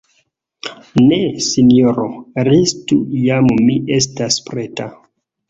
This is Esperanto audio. Ne, Sinjoro, restu; jam mi estas preta.